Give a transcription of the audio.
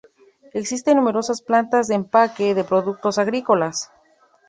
Existen numerosas plantas de empaque de productos agrícolas.